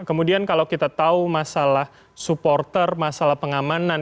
kemudian kalau kita tahu masalah supporter masalah pengamanan